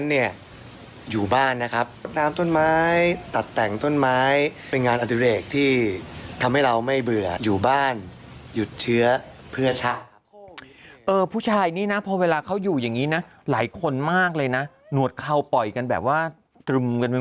ตรึมกันไว้หมดเลยนะก็เขาไม่ได้ออกไปไหนอะไรอย่างนี้ใช่ไหมก็เลยไม่โกนกันใช่ไหม